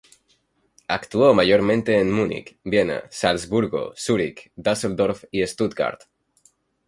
Actuó mayormente en Múnich, Viena, Salzburgo, Zurich, Düsseldorf y Stuttgart.